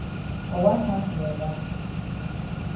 I wash hand for ya back.